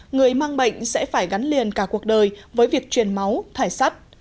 người mang bệnh sẽ phải gắn liền cả cuộc đời với việc truyền máu thải sắt